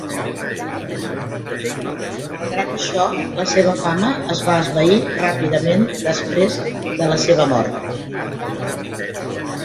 Malgrat això, la seva fama es va esvair ràpidament després de la seva mort.